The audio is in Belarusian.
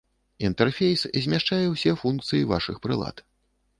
Інтэрфейс змяшчае ўсе функцыі вашых прылад.